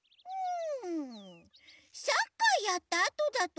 うん。